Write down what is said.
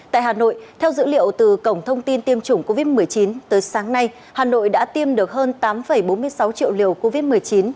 tại hà nội theo dữ liệu từ cổng thông tin tiêm chủng covid một mươi chín tới sáng nay hà nội đã tiêm được hơn tám bốn mươi sáu triệu liều covid một mươi chín